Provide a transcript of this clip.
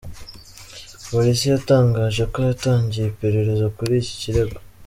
Polisi yatangaje ko yatangiye iperereza kuri iki kirego.